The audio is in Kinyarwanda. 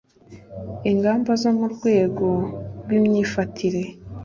ingamba zo mu rwego rw imyifatire